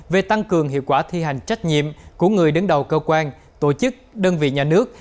về tăng cường hiệu quả thi hành trách nhiệm của người đứng đầu cơ quan tổ chức đơn vị nhà nước